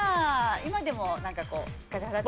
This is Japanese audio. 今でもなんかこうガチャガチャって。